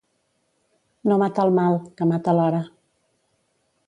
No mata el mal, que mata l'hora.